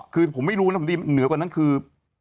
คือผมไม่รู้เนื้อกว่านั้นคือ